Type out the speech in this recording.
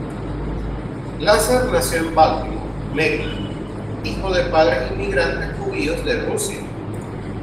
Lasser nació en Baltimore, Maryland, hijo de padres inmigrantes judíos de Rusia.